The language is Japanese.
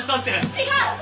違う！